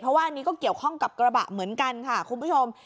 เพราะว่าอันนี้ก็เกี่ยวข้องกับกระบะเหมือนกันค่ะคุณผู้ชม